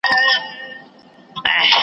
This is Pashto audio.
دوه او درې ځله یې دا خبره کړله .